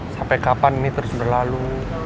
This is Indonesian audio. sampai kapan ini terus berlalu